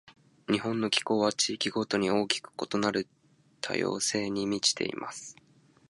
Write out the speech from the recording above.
日本の気候は、地域ごとに大きく異なる多様性に満ちています。